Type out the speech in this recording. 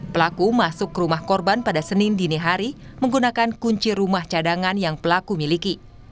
pelaku masuk ke rumah korban pada senin dini hari menggunakan kunci rumah cadangan yang pelaku miliki